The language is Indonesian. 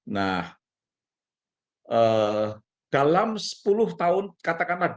nah dalam sepuluh tahun katakanlah